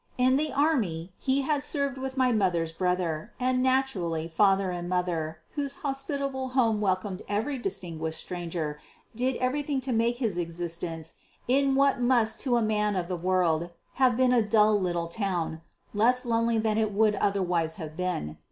In the army he had served with my mother's brother, and naturally father and mother, whose hospitable home welcomed every distinguished stranger, did everything to make his existence, in what must to a man of the world have been a dull little town, less lonely than it would otherwise have been.